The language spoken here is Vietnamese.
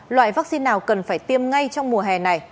loại vaccine nào cần phải tiêm ngay trong mùa hè này